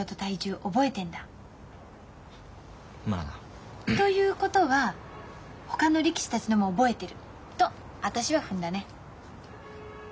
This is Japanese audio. まあな。ということはほかの力士たちのも覚えてると私は踏んだね。